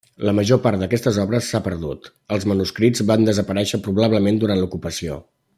La major part d'aquestes obres s'ha perdut; els manuscrits van desaparèixer probablement durant l'ocupació.